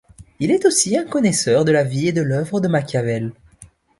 Il est aussi un connaisseur de la vie et de l'œuvre de Machiavel.